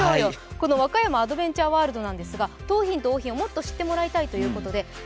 この和歌山アドベンチャーワールドですが、桃浜と桜浜をもっと知ってもらいたいということで「＃